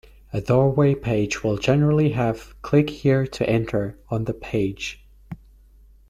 A doorway page will generally have "click here to enter" on the page.